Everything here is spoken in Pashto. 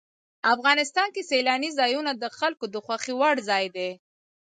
افغانستان کې سیلانی ځایونه د خلکو د خوښې وړ ځای دی.